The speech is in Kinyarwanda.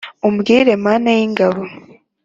ubwire mana y’ ingabo,